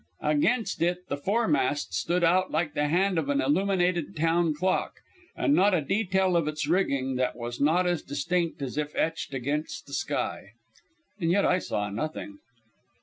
Against it the foremast stood out like the hand of an illuminated town clock, and not a detail of its rigging that was not as distinct as if etched against the sky. And yet I saw nothing.